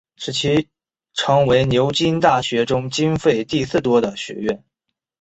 使其成为牛津大学中经费第四多的学院。